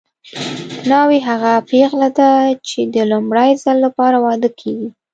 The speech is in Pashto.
ناوې هغه پېغله ده چې د لومړي ځل لپاره واده کیږي